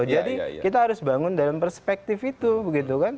jadi kita harus bangun dari perspektif itu